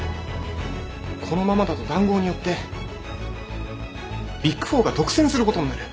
このままだと談合によってビッグ４が独占することになる。